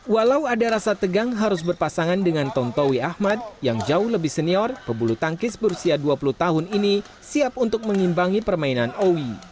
walau ada rasa tegang harus berpasangan dengan tontowi ahmad yang jauh lebih senior pebulu tangkis berusia dua puluh tahun ini siap untuk mengimbangi permainan owi